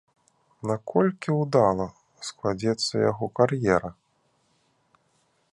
Наколькі ўдала складзецца яго кар'ера?